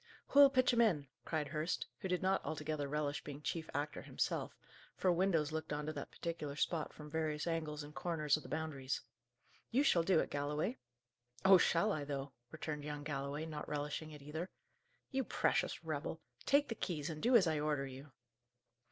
"Who'll pitch 'em in?" cried Hurst, who did not altogether relish being chief actor himself, for windows looked on to that particular spot from various angles and corners of the Boundaries. "You shall do it, Galloway!" "Oh shall I, though!" returned young Galloway, not relishing it either. "You precious rebel! Take the keys, and do as I order you!"